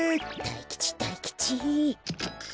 大吉大吉。